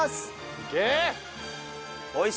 いけ！